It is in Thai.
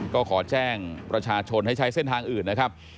ก็ขอแจ้งประชาชนให้ใช้เส้นทางอื่นนะครับ